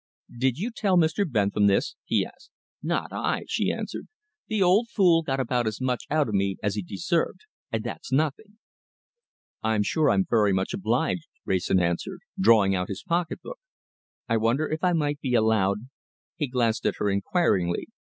"Did you tell Mr. Bentham this?" he asked. "Not I," she answered. "The old fool got about as much out of me as he deserved and that's nothing." "I'm sure I'm very much obliged," Wrayson answered, drawing out his pocketbook. "I wonder if I might be allowed ?" He glanced at her inquiringly.